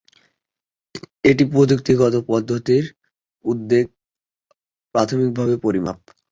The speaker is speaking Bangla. একটি প্রযুক্তিগত পদ্ধতির উদ্বেগ প্রাথমিকভাবে পরিমাপ।